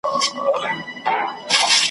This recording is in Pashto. ټول سرونه به پراته وي پر څپړو ,